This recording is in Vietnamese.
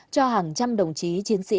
cho hàng trăm đồng chí chiến sĩ